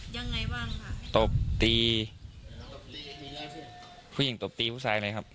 ยังไงบ้างค่ะตบตีผู้หญิงตบตีผู้ชายไหมครับ